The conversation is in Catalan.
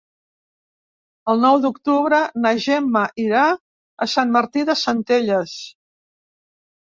El nou d'octubre na Gemma irà a Sant Martí de Centelles.